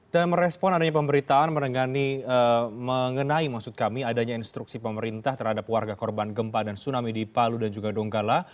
dan merespon adanya pemberitaan mengenai maksud kami adanya instruksi pemerintah terhadap warga korban gempa dan tsunami di palu dan juga donggala